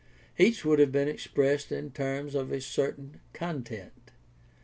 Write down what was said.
Each would have been expressed in terms of a certain content.